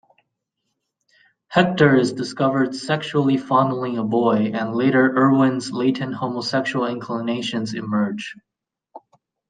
Hector is discovered sexually fondling a boy and later Irwin's latent homosexual inclinations emerge.